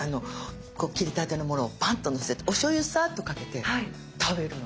切りたてのものをパンッとのせておしょうゆサーッとかけて食べるのが一番好き。